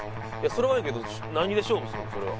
それはええけど何で勝負するの？